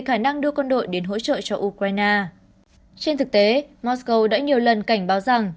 khả năng đưa quân đội đến hỗ trợ cho ukraine trên thực tế mosco đã nhiều lần cảnh báo rằng